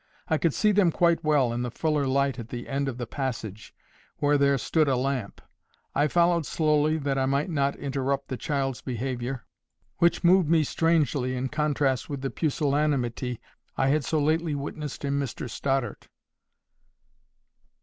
I could see them quite well in the fuller light at the end of the passage, where there stood a lamp. I followed slowly that I might not interrupt the child's behaviour, which moved me strangely in contrast with the pusillanimity I had so lately witnessed in Mr Stoddart.